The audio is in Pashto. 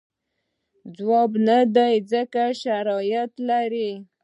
ځواب نه دی ځکه شرایط لري.